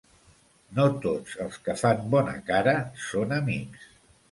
No tots els que fan bona cara són amics.